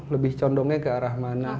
lebih condongnya ke arah mana